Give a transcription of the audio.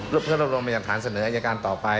ลูกเพราะรวมมาอย่างฐานเสนออัยการต่อไป